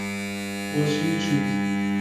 بۆچی چویت؟